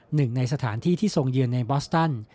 หนึ่งในสถานที่ที่ทรงเยือนในบอสตัน